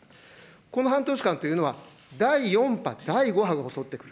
この半年間というのは、第４波、第５波が襲ってきた。